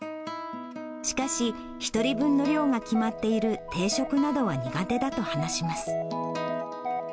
しかし、１人分の量が決まっている定食などは苦手だと話します。